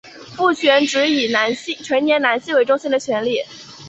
父权指以成年男性为中心的权力。